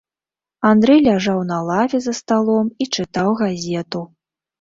Андрэй ляжаў на лаве за сталом і чытаў газету.